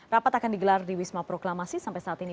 rapat akan digelar di wisma proklamasi sampai saat ini